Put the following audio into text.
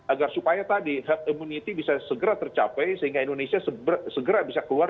agar supaya tadi herd immunity bisa segera tercapai sehingga indonesia segera bisa keluar